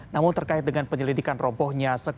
namun terkait dengan penyelidikan robohnya